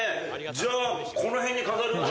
じゃあ、この辺に飾るか。